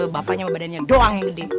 bapaknya badannya doang gede